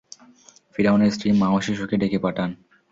ফিরআউনের স্ত্রী মা ও শিশুকে ডেকে পাঠান।